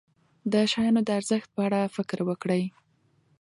د شیانو د ارزښت په اړه فکر وکړئ.